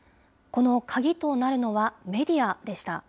この鍵となるのは、メディアでした。